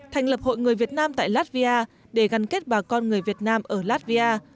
thành lập hội người việt nam tại latvia để gắn kết bà con người việt nam ở latvia